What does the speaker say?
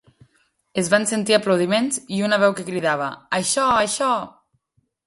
Es van sentir aplaudiments i una veu que cridava: "Això, això!".